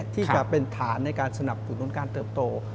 ที่จะเป็นฐานในการสนับสนุนการเติบโต